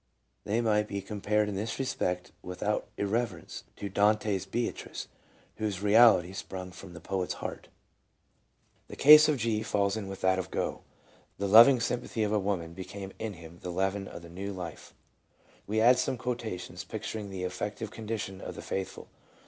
They might be compared in this respect, with out irreverence, to Dante's Beatrice, whose reality sprung from the poet's heart. The case of O. falls in with that of Gough. The loving sympathy of a woman became in him the leaven of the new life. We add some quotations picturing the affective condition of the "faithful."